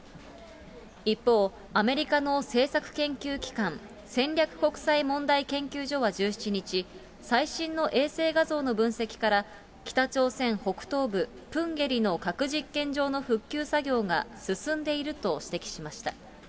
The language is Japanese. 一方、アメリカの政策研究機関、戦略国際問題研究所は１７日、最新の衛星画像の分析から、北朝鮮北東部プンゲリの核実験場の復旧作業が進んでいると指摘しました。